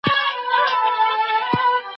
علم تر بل هر څه زيات ارزښت لري.